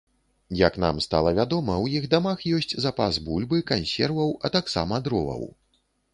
Як нам стала вядома, у іх дамах ёсць запас бульбы, кансерваў, а таксама дроваў.